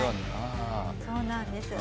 そうなんです。